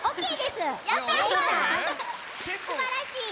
すばらしい。